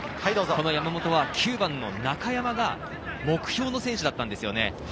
山本は９番の中山が目標の選手だったんですね。